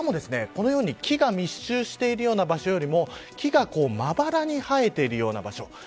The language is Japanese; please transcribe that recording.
しかも木が密集している場所よりも木がまばらに生えているような場所。